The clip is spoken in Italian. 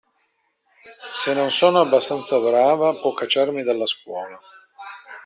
Se non sono abbastanza brava, può cacciarmi dalla scuola.